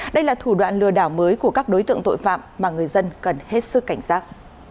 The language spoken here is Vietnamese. đây là thủ đoạn lừa đảo mới của các đối tượng tội phạm mà người dân cần hết sức cảnh giác